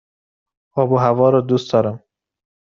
آب و هوا را دوست دارم.